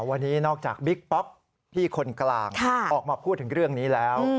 วันนี้นอกจากบิ๊กป๊อกพี่คนกลางออกมาพูดถึงเรื่องนี้แล้ว